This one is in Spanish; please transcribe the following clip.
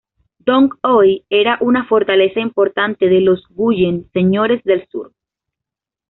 Dong Hoi era una fortaleza importante de los Nguyen- señores del Sur.